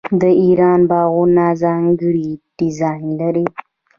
د ایران باغونه ځانګړی ډیزاین لري.